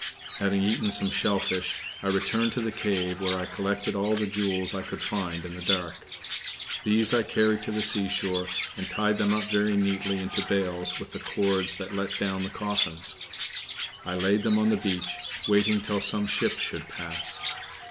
Having eaten some shellfish, I returned to the cave, where I collected all the jewels I could find in the dark. These I carried to the seashore, and tied them up very neatly into bales with the cords that let down the coffins. I laid them on the beach, waiting till some ship should pass.